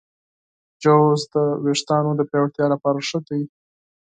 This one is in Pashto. چارمغز د ویښتانو د پیاوړتیا لپاره ښه دی.